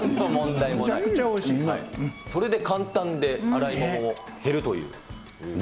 めちゃくそれで簡単で洗い物も減るという。